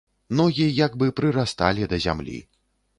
Ногі як бы прырасталі да зямлі.